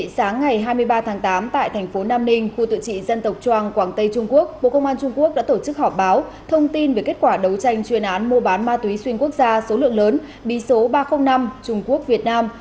sáng ngày hai mươi ba tháng tám tại thành phố nam ninh khu tự trị dân tộc trang quảng tây trung quốc bộ công an trung quốc đã tổ chức họp báo thông tin về kết quả đấu tranh chuyên án mua bán ma túy xuyên quốc gia số lượng lớn bí số ba trăm linh năm trung quốc việt nam